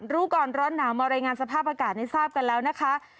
รู้ก่อนร้อนหนาวมารายงานสภาพอากาศให้ทราบกันแล้วนะคะ